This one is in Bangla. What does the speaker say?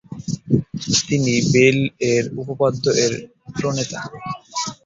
তিনি বেল এর উপপাদ্য এর প্রণেতা।